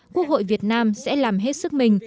quốc hội việt nam sẽ làm hết sức mình